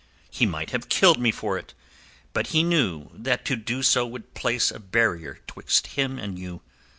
He might have killed me for't; but he knew that to do so would place a barrier 'twixt him and you.